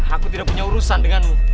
aku tidak punya urusan denganmu